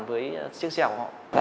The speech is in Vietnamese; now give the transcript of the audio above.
với chiếc xe của họ